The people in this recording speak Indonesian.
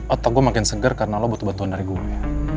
atau gue makin seger karena lo butuh bantuan dari gue